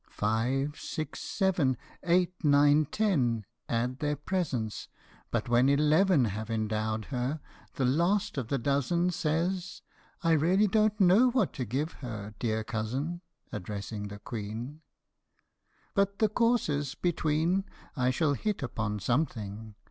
Five, six, seven, eight, nine, ten Add their presents, but when Eleven have endowed her, the last of the dozen Says, " I really don't know what to give her, dear cousin," (Addressing the Queen,) " But the courses between I shall hit upon something.